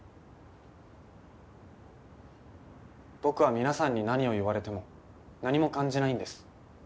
僕は皆さんに何を言われても何も感じないんです。